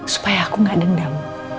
supaya aku gak dendam